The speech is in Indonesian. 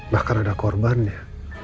bahkan ada korban ya